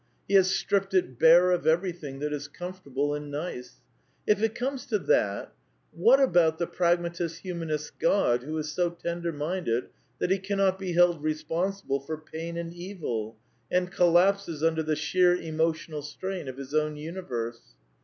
'' He has stripped it bare of everything that is comfortable and nice. If it comes to that, what about the Pragmatic Humanist's God who is so tender minded that he cannot be held responsible for pain and evil, and collapses under the sheer emotional strain of his own universe?